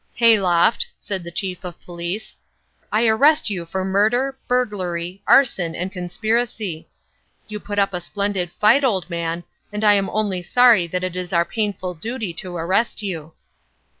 "Hayloft," said the chief of police, "I arrest you for murder, burglary, arson, and conspiracy. You put up a splendid fight, old man, and I am only sorry that it is our painful duty to arrest you."